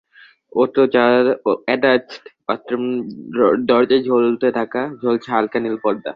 Attached বাথরুমের দরজায় ঝুলছে হালকা নীল পর্দা।